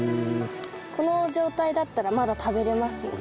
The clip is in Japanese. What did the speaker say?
この状態だったらまだ食べられますね。